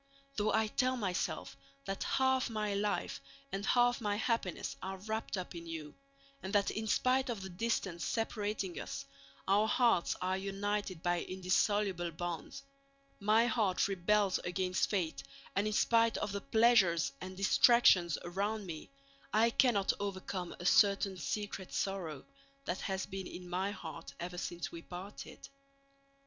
Though I tell myself that half my life and half my happiness are wrapped up in you, and that in spite of the distance separating us our hearts are united by indissoluble bonds, my heart rebels against fate and in spite of the pleasures and distractions around me I cannot overcome a certain secret sorrow that has been in my heart ever since we parted.